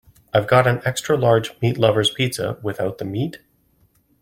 I’ve got an extra large meat lover’s pizza, without the meat?